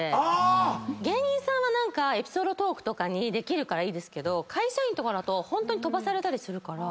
芸人さんはエピソードトークとかにできるからいいですけど会社員とかだとホントに飛ばされたりするから。